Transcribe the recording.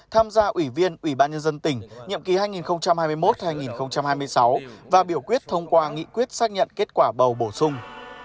tham gia ủy viên ubnd tỉnh nhiệm kỳ hai nghìn hai mươi một hai nghìn hai mươi sáu và biểu quyết thông qua nghị quyết xác nhận kết quả bầu bổ sung